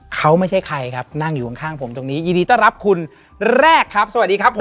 เขาไม่ใช่ใครครับนั่งอยู่ข้างผมตรงนี้ยินดีต้อนรับคุณแรกครับสวัสดีครับผม